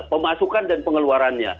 pemasukan dan pengeluarannya